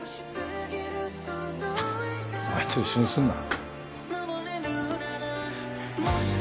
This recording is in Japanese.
はっお前と一緒にすんな。